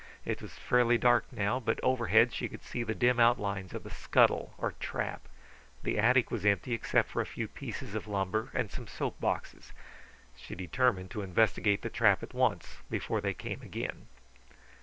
It was fairly dark now, but overhead she could see the dim outlines of the scuttle or trap. The attic was empty except for a few pieces of lumber and some soap boxes. She determined to investigate the trap at once, before they came again.